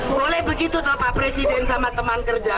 boleh begitu bapak presiden sama teman kerja